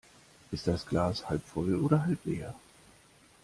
Ist das Glas halb voll oder halb leer?